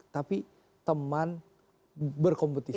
tapi teman berkompetisi